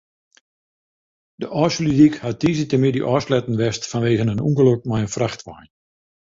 De Ofslútdyk hat tiisdeitemiddei ôfsletten west fanwegen in ûngelok mei in frachtwein.